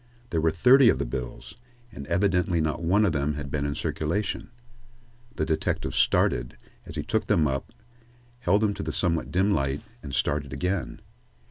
There were thirty of the bills, and evidently not one of them had been in circulation. The detective started as he took them up, held them to the somewhat dim light, and started again.